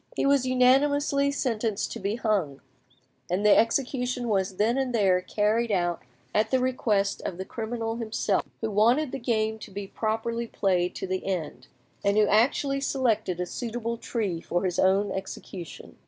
He was unanimously sentenced to be hung, and the execution was then and there carried out, at the request of the criminal himself, who wanted the game to be properly played to the end, and who actually selected a suitable tree for his own execution.